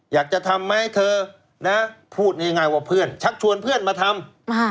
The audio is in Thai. อยากจะทำไหมเธอนะพูดง่ายว่าเพื่อนชักชวนเพื่อนมาทำ